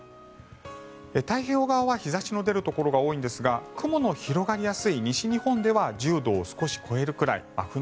太平洋側は日差しの出るところが多いんですが雲の広がりやすい西日本では１０度を少し超えるくらい。